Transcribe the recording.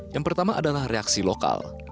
yang pertama adalah reaksi lokal